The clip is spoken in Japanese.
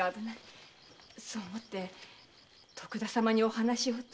そう思って徳田様にお話をと。